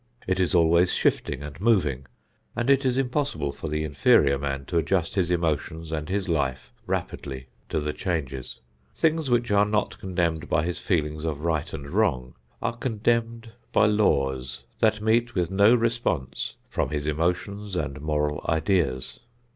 It is always shifting and moving, and it is impossible for the inferior man to adjust his emotions and his life rapidly to the changes. Things which are not condemned by his feelings of right and wrong are condemned by laws that meet with no response from his emotions and moral ideas.